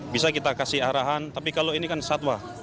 bisa kita kasih arahan tapi kalau ini kan satwa